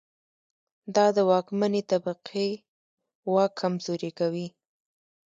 دا د واکمنې طبقې واک کمزوری کوي.